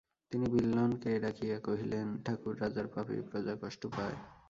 তিনি বিল্বনকে ডাকিয়া কহিলেন, ঠাকুর, রাজার পাপেই প্রজা কষ্ট পায়।